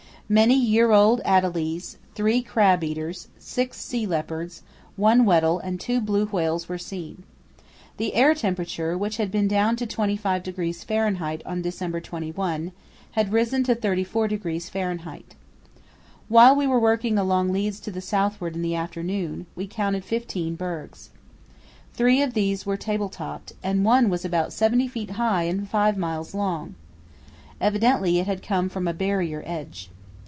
Many year old adelies, three crab eaters, six sea leopards, one Weddell and two blue whales were seen. The air temperature, which had been down to 25° Fahr. on December 21, had risen to 34° Fahr. While we were working along leads to the southward in the afternoon, we counted fifteen bergs. Three of these were table topped, and one was about 70 ft high and 5 miles long. Evidently it had come from a barrier edge.